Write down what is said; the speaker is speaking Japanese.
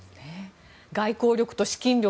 外交力と資金力